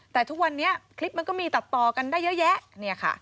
แต่ทุกวันนี้คลิปมันก็มีตัดต่อกันได้เยอะแยะเนี่ยค่ะ